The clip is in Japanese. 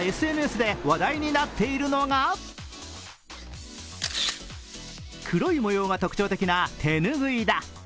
今、ＳＮＳで話題になっているのが黒い模様が特徴的な手拭いだ。